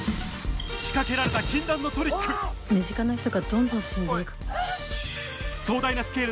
仕掛けられた禁断のトリック身近な人がどんどん死んでいく。